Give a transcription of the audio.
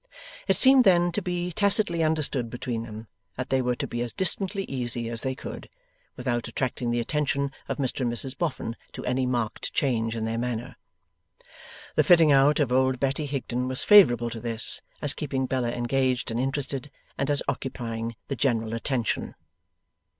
It seemed then to be tacitly understood between them that they were to be as distantly easy as they could, without attracting the attention of Mr and Mrs Boffin to any marked change in their manner. The fitting out of old Betty Higden was favourable to this, as keeping Bella engaged and interested, and as occupying the general attention.